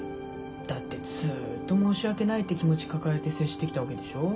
だってずっと申し訳ないって気持ち抱えて接してきたわけでしょ？